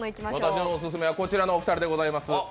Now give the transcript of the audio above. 私のオススメはこちらのお二人でございます。